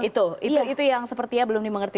itu itu yang sepertinya belum dimengerti